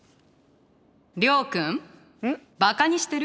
諒君バカにしてる？